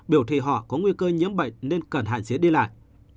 biểu thì họ có nguy cơ nhiễm bệnh nên cần hạn chế đi lại